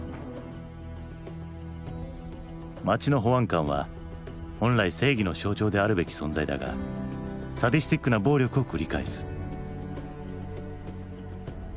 街の保安官は本来正義の象徴であるべき存在だがサディスティックな暴力を繰り返す。